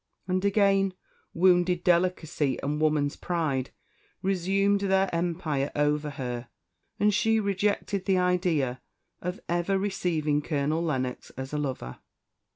And again wounded delicacy and woman's pride resumed their empire over her, and she rejected the idea of ever receiving Colonel Lennox as a lover.